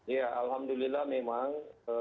ya alhamdulillah memang